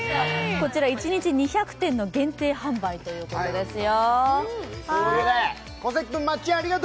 こちら、一日２００点の限定販売ということですよ。